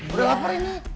udah lapar ya